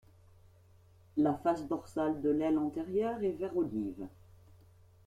La face dorsale de l'aile antérieure est vert olive.